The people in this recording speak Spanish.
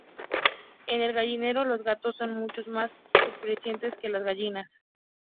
En el gallinero los gallos son mucho más susceptibles que las gallinas.